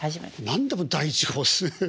何でも第１号ですね。